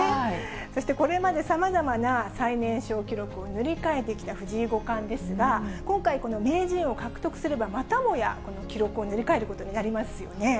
そして、これまでさまざまな最年少記録を塗り替えてきた藤井五冠ですが、今回、この名人を獲得すれば、またもや記録を塗り替えることになりますよね。